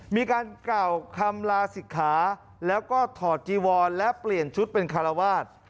มีการกล่าวคำลาศิกขาแล้วก็ถอดจีวอนและเปลี่ยนชุดเป็นคารวาส